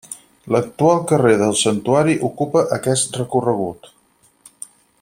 L'actual carrer del Santuari ocupa aquest recorregut.